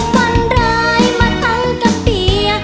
ฝันร้ายมาทั้งกับเปีย